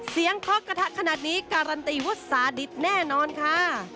เคาะกระทะขนาดนี้การันตีว่าสาดิตแน่นอนค่ะ